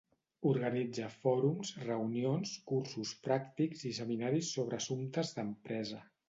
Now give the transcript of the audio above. Organitza fòrums, reunions, cursos pràctics i seminaris sobre assumptes d'empresa.